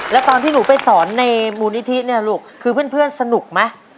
แล้วตอนที่หนูไปสอนในมูลนิธิเนี่ยลูกคือเพื่อนสนุกไหม